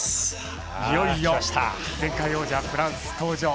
いよいよ前回王者フランス登場。